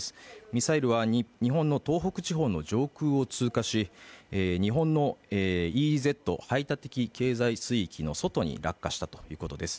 ミサイルは日本の東北地方の上空を通過し、日本のＥＥＺ＝排他的経済水域の外に落下したということです。